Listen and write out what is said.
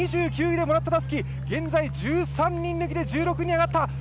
２９位でもらったたすき、現在１３人抜きで１６位に上がった。